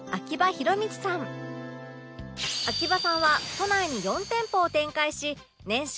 秋葉さんは都内に４店舗を展開し年商